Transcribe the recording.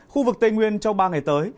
khu vực tây nguyên trong ba ngày tới